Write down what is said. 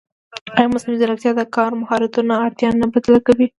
ایا مصنوعي ځیرکتیا د کاري مهارتونو اړتیا نه بدله کوي؟